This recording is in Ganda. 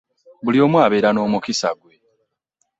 Buli omu abeera n'omukisa gwe.